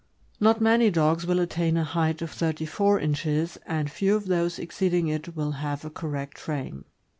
'Not many dogs will attain a height of thirty four inches, and few of those exceeding it will have a correct frame.